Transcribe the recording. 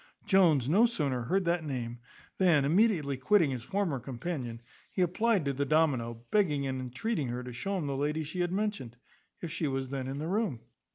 Jones no sooner heard that name, than, immediately quitting his former companion, he applied to the domino, begging and entreating her to show him the lady she had mentioned, if she was then in the room.